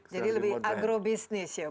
jadi lebih agrobisnis ya